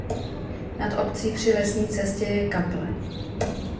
Nad obcí při lesní cestě je kaple.